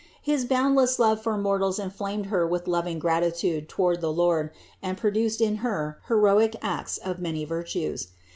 His boundless love for mortals inflamed Her with loving gratitude toward the Lord and produced in Her heroic acts of many virtues.